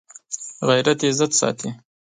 غیرت عزت ساتي